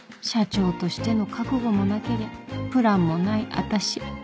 社長としての覚悟もなけりゃプランもない私